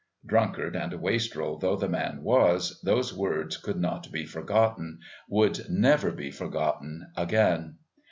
Drunkard and wastrel though the man was, those words could not be forgotten, would never be forgotten again.